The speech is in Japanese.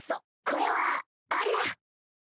これはあれだ